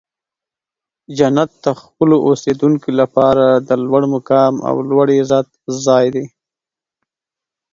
جنت د خپلو اوسیدونکو لپاره د لوړ مقام او لوړ عزت ځای دی.